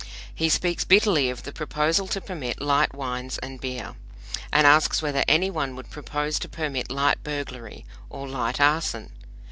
He speaks bitterly of the proposal to permit "light wines and beer," and asks whether any one would propose to permit light burglary or light arson.